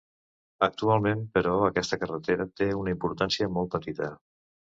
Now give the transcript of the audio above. Actualment, però, aquesta carretera té una importància molt petita.